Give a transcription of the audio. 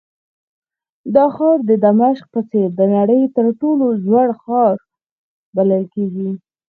دا ښار د دمشق په څېر د نړۍ تر ټولو زوړ ښار بلل کېږي.